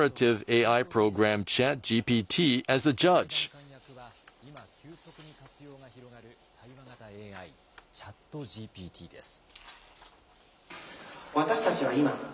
裁判官役は今、急速に活用が広がる対話型ＡＩ、ＣｈａｔＧＰＴです。